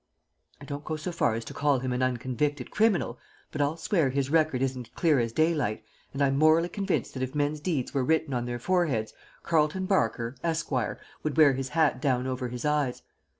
"I don't go so far as to call him an unconvicted criminal, but I'll swear his record isn't clear as daylight, and I'm morally convinced that if men's deeds were written on their foreheads Carleton Barker, esquire, would wear his hat down over his eyes.